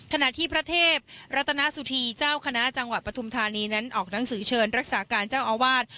ขณะที่พระเทพรัตนาสุธีเจ้าคณะจังหวัดปฐุมธานีนั้นออกหนังสือเชิญรักษาการเจ้าอาวาส